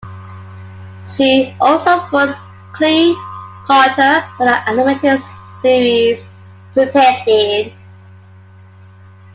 She also voiced Cleo Carter for the animated serise Tutenstein.